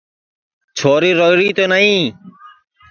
چھوری روئیری تو نائی